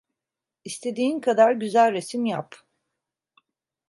İstediğin kadar güzel resim yap…